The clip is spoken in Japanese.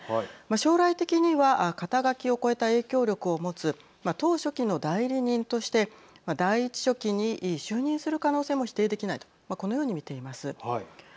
将来的には肩書きを超えた影響力をもつ党書記の代理人として第１書記に就任する可能性も否定できないとこのように見ています。